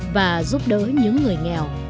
và giúp đỡ những người nghèo